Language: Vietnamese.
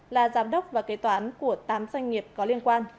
là giám đốc và kế toán của tám doanh nghiệp có liên quan